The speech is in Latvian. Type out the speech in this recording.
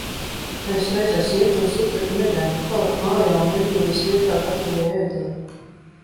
Tais reizēs Jeta uz uteni negāja, bet palika mājā un Emīlijas vietā gatavoja ēdienu.